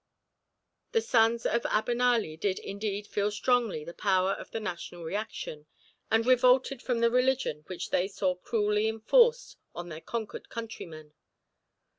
The sons of Abenali did indeed feel strongly the power of the national reaction, and revolted from the religion which they saw cruelly enforced on their conquered countrymen.